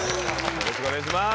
よろしくお願いします。